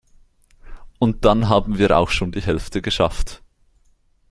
Und dann haben wir auch schon die Hälfte geschafft.